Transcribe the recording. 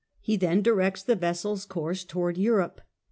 He then directs the vessel's course towards Europe.